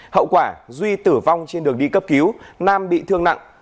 hậu quả duy tử vong trên đường đi cấp cứu nam bị thương nặng